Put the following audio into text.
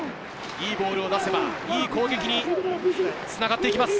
いいボールを出せば、いい攻撃につながっていきます。